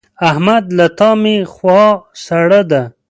احمد له تا مې خوا سړه ده.